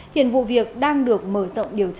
hiện vụ việc đang được mở rộng điều tra